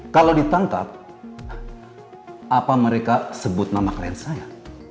kalau ditangkap apa mereka sebut nama klien saya